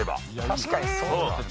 確かにそうだ。